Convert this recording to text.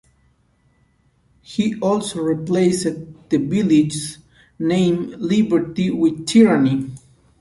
He also replaced the village's name, Liberty, with Tyranny.